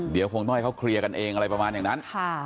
เดี๋ยวคงต้องให้เขาเคลียร์กันเองอะไรประมาณอย่างนั้น